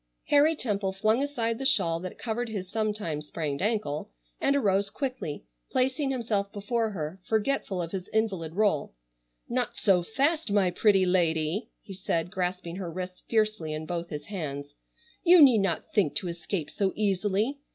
Harry Temple flung aside the shawl that covered his sometime sprained ankle and arose quickly, placing himself before her, forgetful of his invalid rôle: "Not so fast, my pretty lady," he said, grasping her wrists fiercely in both his hands. "You need not think to escape so easily.